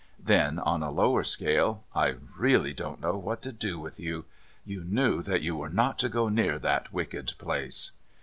Then on a lower scale: "I really don't know what to do with you. You knew that you were not to go near that wicked place."